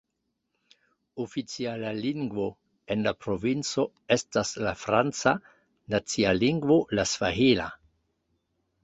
Oficiala lingvo en la provinco estas la franca, nacia lingvo la svahila.